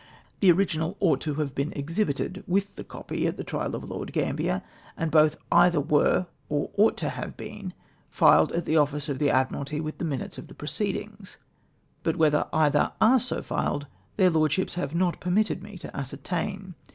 The original ought to have been exhibited with the copy at the trial of Lord Gambler, and both either were or ought to have been filed in the office of the Admiralty with the Minutes of the proceedings ; but whether either are so filed their Lordships have not ijermitted me to ascertain.